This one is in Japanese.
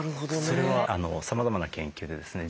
それはさまざまな研究でですね